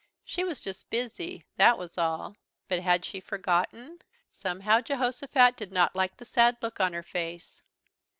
She was just busy. That was all. But had she forgotten? Somehow Jehosophat did not like the sad look on her face.